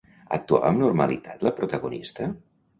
Actuava amb normalitat la protagonista?